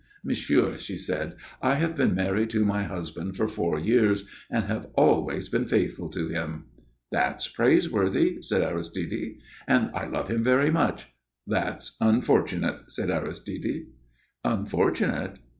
"Monsieur," she said, "I have been married to my husband for four years, and have always been faithful to him." "That's praiseworthy," said Aristide. "And I love him very much." "That's unfortunate!" said Aristide. "Unfortunate?"